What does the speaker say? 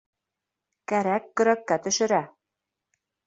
Кәрәк көрәккә төшөрә.